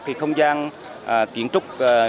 cái không gian kiến trúc